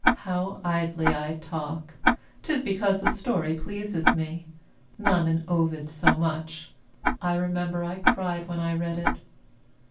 How idly I talk; 'tis because the story pleases me none in Ovid so much. I remember I cried when I read it.